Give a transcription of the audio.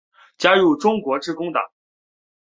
加入中国致公党。